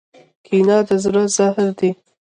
کینه د زړه زهر دی.